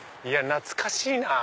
懐かしいなぁ。